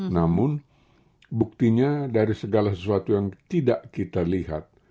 namun buktinya dari segala sesuatu yang tidak kita lihat